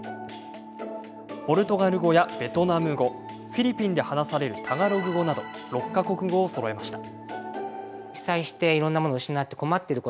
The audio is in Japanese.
ポルトガル語やベトナム語フィリピンで話されるタガログ語など６か国語をそろえました。